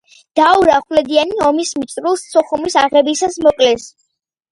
დაურ ახვლედიანი ომის მიწურულს, სოხუმის აღებისას მოკლეს.